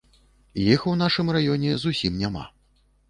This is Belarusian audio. Іх у нашым раёне зусім няма.